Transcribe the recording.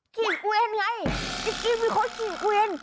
ขี่เกวียนไงจริงมีคนขี่เกวียน